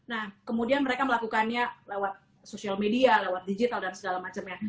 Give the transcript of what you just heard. nah kemudian mereka melakukannya lewat social media lewat digital dan segala macam ya